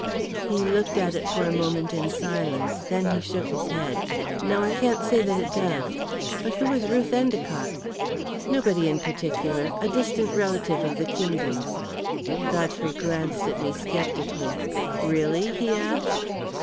He looked at it for a moment in silence; then he shook his head. "No, I can't say that it does. But who was Ruth Endicott?" "Nobody in particular a distant relative of the Kingdons." Godfrey gazed at me sceptically. "Really?" he asked.